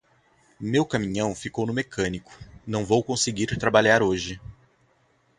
Meu caminhão ficou no mecânico, não vou conseguir trabalhar hoje.